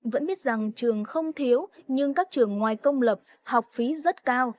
vẫn biết rằng trường không thiếu nhưng các trường ngoài công lập học phí rất cao